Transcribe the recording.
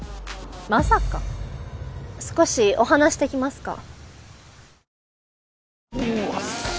まさか少しお話できますか？